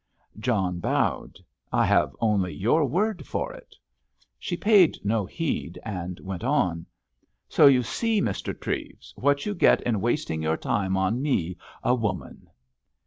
John bowed. "I have only your word for it." She paid no heed and went on. "So you see, Mr. Treves, what you get in wasting your time on me—a woman!"